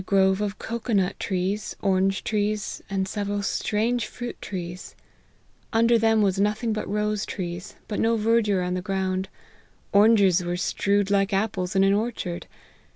grove of cocoa nut trees, orange trees, and several strange fruit trees ; under them was nothing but rose trees, but no verdure on the ground : oranges were strewed like apples in an orchard.